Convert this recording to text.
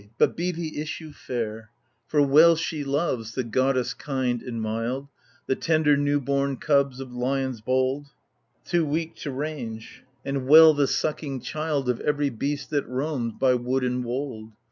but be the issue fair !) For well she loves — the goddess kind and mild — The tender new bom cubs of lions bold^ Too weak to range — and well the sucking child Of every beast that roams by wood and wold.